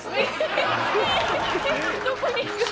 どこに行く？